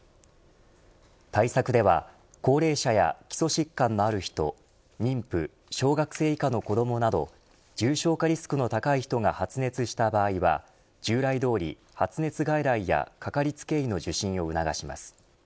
対策では高齢者や基礎疾患のある人妊婦、小学生以下の子どもなど重症化リスクの高い人が発熱した場合は従来どおり発熱外来やかかりつけ医の受診を促します。